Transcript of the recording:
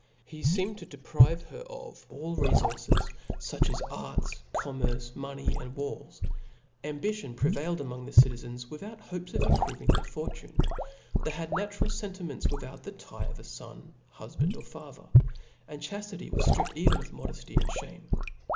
He feenied to deprive her of allrc fources, fuch as arts, commerce, money, walls : am bition prevailed among the citizens without hopes of improving their fortune; they had natural fenti . ments without the tie of a fon, hufband, or father ; and chaftity was ftript even of modefty and fhEn:c.